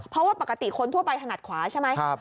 เพราะว่าปกติคนทั่วไปถนัดขวาใช่ไหม